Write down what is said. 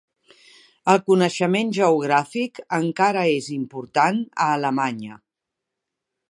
El coneixement geogràfic encara és important a Alemanya.